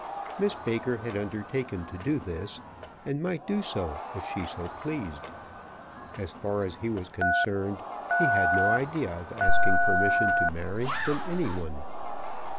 Miss Baker had undertaken to do this, and might do so if she so pleased. As far as he was concerned, he had no idea of asking permission to marry from any one.